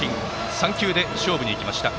３球で勝負に行きました。